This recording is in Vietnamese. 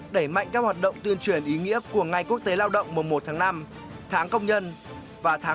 đẩy mạnh các hoạt động tuyên truyền ý nghĩa của ngày quốc tế lao động mùa một tháng năm tháng công nhân